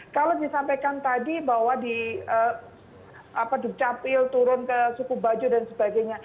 kalau disampaikan tadi bahwa di dukcapil turun ke suku bajo dan sebagainya